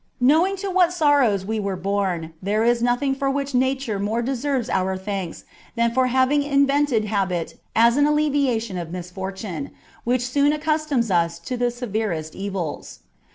Knowing to what sorrows we were born, there is nothing for which Nature more deserves our thanks than for having invented habit as an alleviation of misfortune, which soon accustoms us to the severest evils.